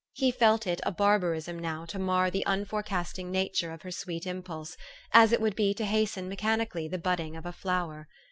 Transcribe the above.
He felt it a barbarism now to mar the unforecasting nature of her sweet impulse, as it would be to hasten mechani cally the budding of a flower.